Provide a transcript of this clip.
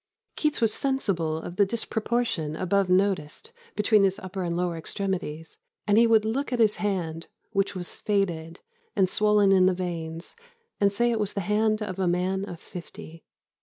Keats was sensible of the disproportion above noticed between his upper and lower extremities, and he would look at his hand, which was faded, and swollen in the veins, and say it was the hand of a man of fifty."